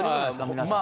皆さん。